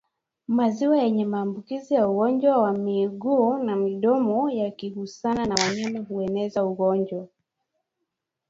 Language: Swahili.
Maziwa yenye maambukizi ya ugonjwa wa miguu na midomo yakigusana na wanyama hueneza ugonjwa